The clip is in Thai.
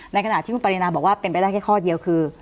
ในขณะที่คุณปรินาบอกว่าเป็นไปได้แค่ข้อเดียวคือ